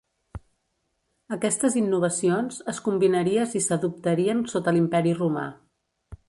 Aquestes innovacions es combinaries i s'adoptarien sota l'imperi Romà.